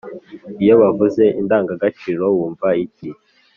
iyo bavuze indangagaciro, wumva iki